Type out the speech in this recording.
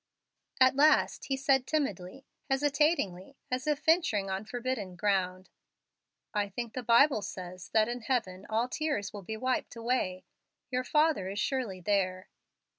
At last he said timidly, hesitatingly, as if venturing on forbidden ground, "I think the Bible says that in heaven all tears will be wiped away. Your father is surely there."